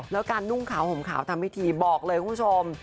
แล้วการนุ่งขาวห่มขาวทำพิธีบอกเลยคุณผู้ชม